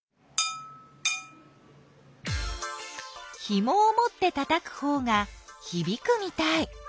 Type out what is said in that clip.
ひもを持ってたたくほうがひびくみたい。